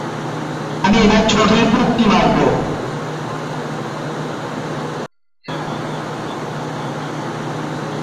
তখন থেকে অভিনয়কে জীবনের প্রধান লক্ষ্য করে নেবার কথা দেখেছিলেন।